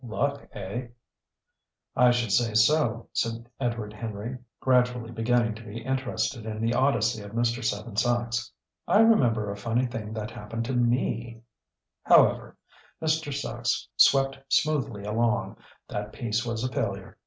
Luck, eh?" "I should say so," said Edward Henry, gradually beginning to be interested in the odyssey of Mr. Seven Sachs. "I remember a funny thing that happened to me " "However," Mr. Sachs swept smoothly along, "that piece was a failure.